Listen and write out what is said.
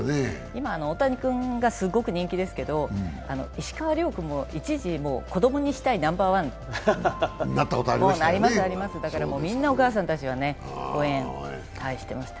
今、大谷君がすごく人気ですけど、石川遼君も一時、子供にしたいナンバーワンになりますなります、だから、みんなお母さんたちは応援してました。